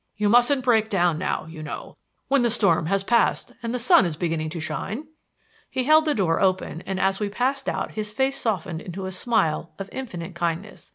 You mustn't break down now, you know, when the storm has passed and the sun is beginning to shine." He held the door open and as we passed out his face softened into a smile of infinite kindness.